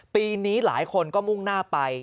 ปีนี้หลายคนก็มุ่งหน้าไป